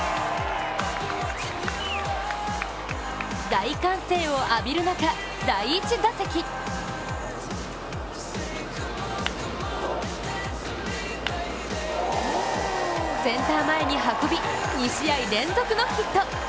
大歓声を浴びる中、第１打席センター前に運び、２試合連続のヒット。